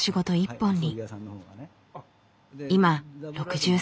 今６３歳。